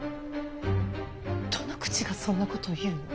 どの口がそんなことを言うの。